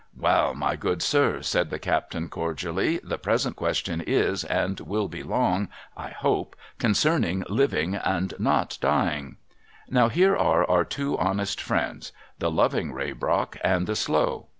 ' Wa'al, my good sir,' said the captain cordially, ' the present question is, and will be long, I hope, concerning living, and not dying. Now, here are our two honest friends, the loving Raybrock and the slow.